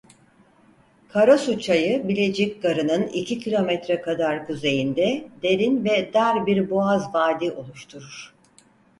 Karasu Çayı Bilecik Garının iki kilometre kadar kuzeyinde derin ve dar bir boğaz vadi oluşturur.